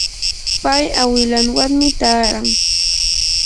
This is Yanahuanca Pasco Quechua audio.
pay awilanwanmi taaran.